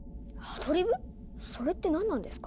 それって何なんですか？